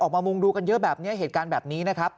มามุงดูกันเยอะแบบนี้เหตุการณ์แบบนี้นะครับ